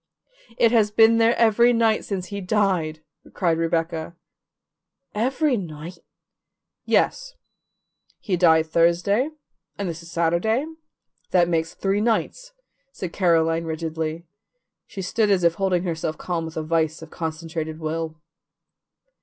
"It has been there every night since he died," cried Rebecca. "Every night?" "Yes. He died Thursday and this is Saturday; that makes three nights," said Caroline rigidly. She stood as if holding herself calm with a vise of concentrated will.